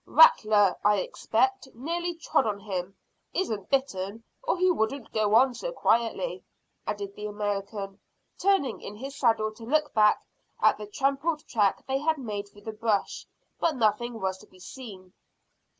"Rattler, I expect; nearly trod on him. Isn't bitten, or he wouldn't go on so quietly," added the American, turning in his saddle to look back at the trampled track they had made through the brush, but nothing was to be seen.